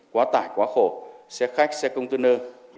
quá tải quá khổ xe khách xe công tư nơ